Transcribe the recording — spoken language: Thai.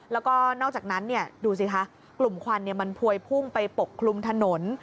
แล้วก็นอกจากนั้นดูสิคะกลุ่มควันมันพวยพุ่งไปปกคลุมถนน